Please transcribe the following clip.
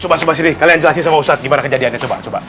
coba coba sini kalian jelasin sama ustadz gimana kejadiannya coba coba